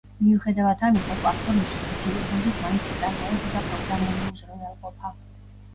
მიუხედავად ამისა, პლატფორმისთვის მცირე დოზით მაინც იწარმოებოდა პროგრამული უზრუნველყოფა.